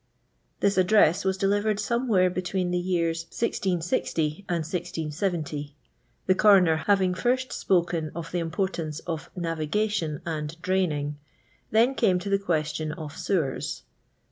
This address was delivered somewhere between the years 1660 and 1670. The coroner having first spoken of the importance of Navigation and Drayning" (drain ing), then came to the question of sewers.